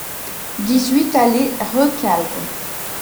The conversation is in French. dix-huit allée Recalde